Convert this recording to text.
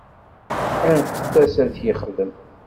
Anfet-as ad t-yexdem.